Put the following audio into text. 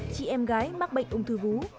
chị em gái mắc bệnh ông thư vú